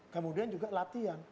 kemudian juga latihan